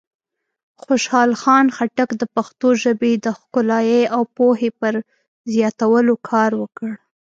خوشحال خان خټک د پښتو ژبې د ښکلایۍ او پوهې پر زیاتولو کار وکړ.